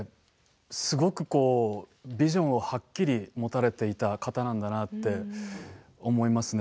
すごくビジョンをはっきり持たれていた方なんだなって思いますね。